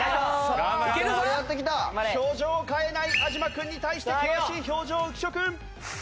さあ表情を変えない安嶋君に対して険しい表情浮所君！